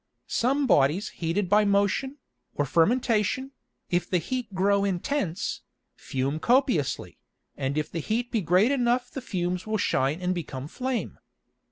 Some Bodies heated by Motion, or Fermentation, if the heat grow intense, fume copiously, and if the heat be great enough the Fumes will shine and become Flame.